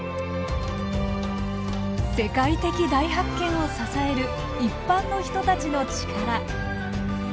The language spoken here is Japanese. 世界的大発見を支える一般の人たちの力。